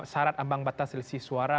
syarat ambang batas selisih suara